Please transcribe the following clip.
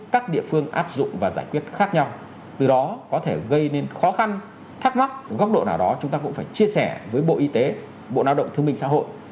các địa phương áp dụng và giải quyết khác nhau từ đó có thể gây nên khó khăn thắc mắc góc độ nào đó chúng ta cũng phải chia sẻ với bộ y tế bộ lao động thương minh xã hội